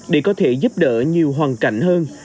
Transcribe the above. để có thể giúp đỡ nhiều hoàn cảnh hơn